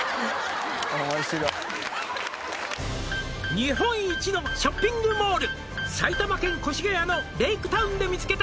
「日本一のショッピングモール」「埼玉県越谷のレイクタウンで見つけた」